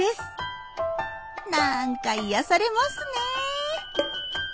なんか癒やされますね。